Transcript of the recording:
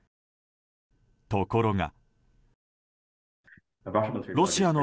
ところが。